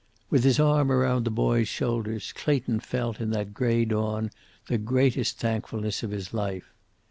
With his arm around the boy's shoulders, Clayton felt in that gray dawn the greatest thankfulness of his life.